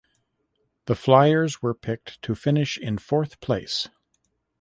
The Flyers were picked to finish in fourth place.